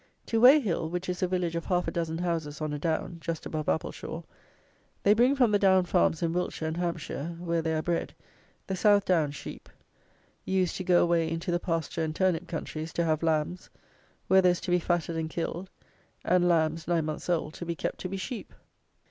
To Weyhill, which is a village of half a dozen houses on a down, just above Appleshaw, they bring from the down farms in Wiltshire and Hampshire, where they are bred, the Southdown sheep; ewes to go away into the pasture and turnip countries to have lambs, wethers to be fatted and killed, and lambs (nine months old) to be kept to be sheep.